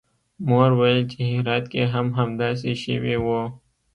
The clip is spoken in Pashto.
مور ویل چې هرات کې هم همداسې شوي وو